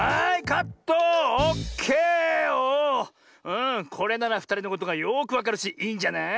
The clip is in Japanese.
うんこれならふたりのことがよくわかるしいいんじゃない？